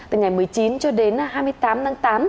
từ ngày một mươi chín cho đến hai mươi tám tháng tám